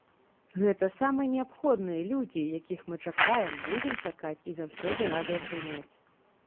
Гэта самыя неабходныя людзі, якіх мы чакаем, будзем чакаць і заўсёды радыя прыняць!